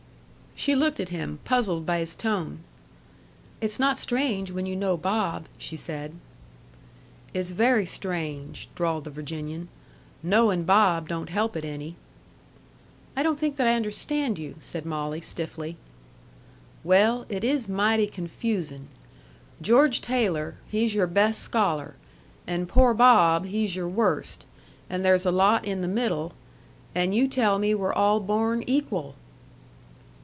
She looked at him, puzzled by his tone. "It's not strange when you know Bob," she said. "It's very strange," drawled the Virginian. "Knowin' Bob don't help it any." "I don't think that I understand you," said Molly, sticky. "Well, it is mighty confusin'. George Taylor, he's your best scholar, and poor Bob, he's your worst, and there's a lot in the middle and you tell me we're all born equal!"